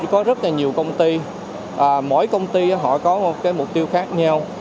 có rất là nhiều công ty mỗi công ty họ có một mục tiêu khác nhau